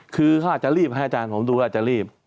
คือเขาอาจจะรีบให้อาจารย์ผมดูอาจจะรีบ